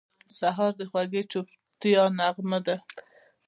سهار د خوږې چوپتیا نغمه ده.